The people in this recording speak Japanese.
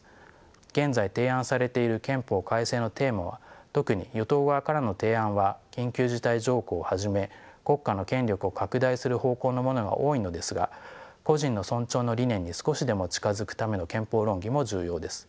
現在提案されている憲法改正のテーマは特に与党側からの提案は緊急事態条項をはじめ国家の権力を拡大する方向のものが多いのですが個人の尊重の理念に少しでも近づくための憲法論議も重要です。